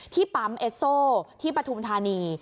ที่ปั๊มเอสโซที่ปฐุมธานี